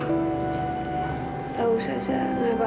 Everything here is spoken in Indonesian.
enggak usah enggak apa apa